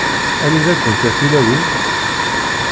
Anida-kent a tilawin?